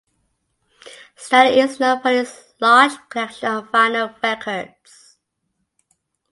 Stanley is known for his large collection of vinyl records.